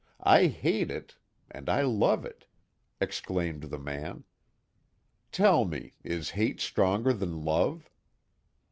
I hate it and I love it!" exclaimed the man. "Tell me, is hate stronger than love?"